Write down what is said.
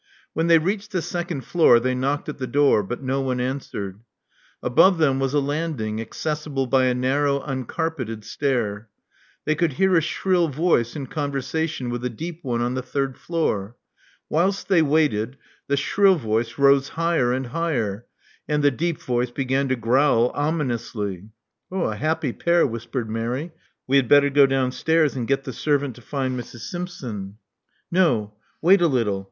When they reached the second floor, they knocked at the door; but no one answered. Above them was a landing, accessible by a narrow uncarpeted stair. They could hear a shrill voice in conversation with a deep one on the third floor. Whilst they waited, the shrill voice rose higher and higher; and the deep voice began to growl ominously. A happy pair," whispered Mary. We had better go downstairs and get the servant to find Mrs. Simpson." No: wait a little.